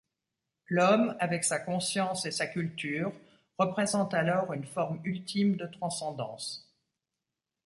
L'homme, avec sa conscience et sa culture, représente alors une forme ultime de transcendance.